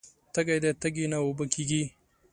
تږې ده تږې نه اوبه کیږي